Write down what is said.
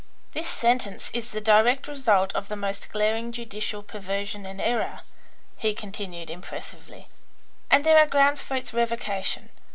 "This sentence is the direct result of the most glaring judicial perversion and error," he continued, impressively, "and there are grounds for its revocation.